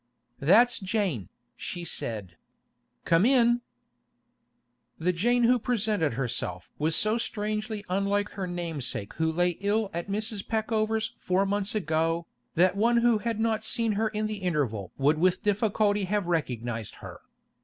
'That's Jane,' she said. 'Come in!' The Jane who presented herself was so strangely unlike her namesake who lay ill at Mrs. Peckover's four months ago, that one who had not seen her in the interval would with difficulty have recognised her.